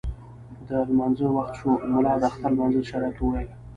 د لمانځه وخت شو، ملا د اختر د لمانځه شرایط وویل.